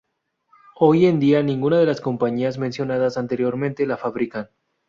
Hoy en día, ninguna de las compañías mencionadas anteriormente la fabrican.